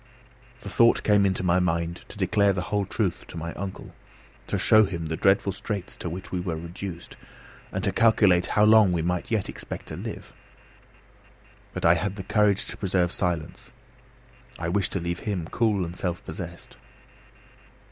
The thought came into my mind to declare the whole truth to my uncle, to show him the dreadful straits to which we were reduced, and to calculate how long we might yet expect to live. But I had the courage to preserve silence. I wished to leave him cool and self possessed.